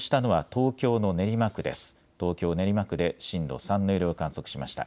東京・練馬区で震度３の揺れを観測しました。